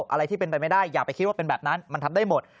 อะไรที่เป็นไปไม่ได้อย่าไปคิดว่าเป็นแบบนั้นมันทำได้หมด